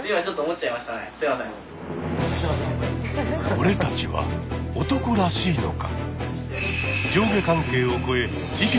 俺たちは男らしいのか？